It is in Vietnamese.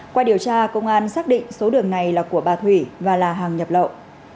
qua điều tra công an xác định số đường này là của bà thủy và là hàng nhập lậu